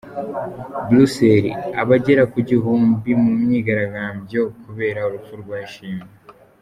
Buruseli Abagera kugihumbi mu myigaragambyo kubera urupfu rwa Ishimwe